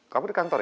kamu di kantor ya